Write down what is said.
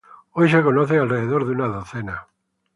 Hoy se conocen alrededor de una docena.